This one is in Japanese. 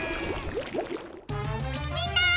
みんな！